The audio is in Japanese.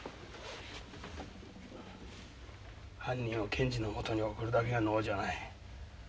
犯人を検事のもとに送るだけが能じゃない。